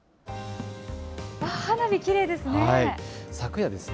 花火きれいですね。